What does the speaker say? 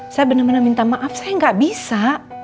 saya bener bener minta maaf saya gak bisa